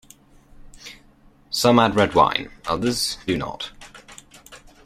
Some add red wine, others do not.